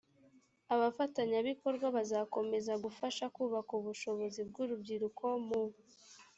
abafatanyabikorwa bazakomeza gufasha kubaka ubushobozi bw urubyiruko mu